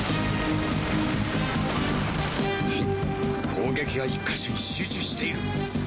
攻撃が１か所に集中している。